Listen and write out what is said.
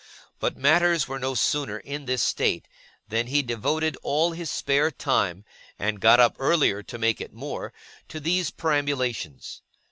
But matters were no sooner in this state, than he devoted all his spare time (and got up earlier to make it more) to these perambulations.